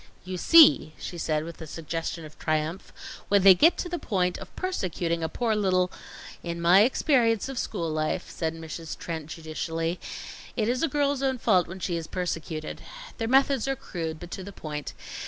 "You see!" she said, with a suggestion of triumph, "when they get to the point of persecuting a poor little " "In my experience of school life," said Mrs. Trent judicially, "it is a girl's own fault when she is persecuted. Their methods are crude, but to the point.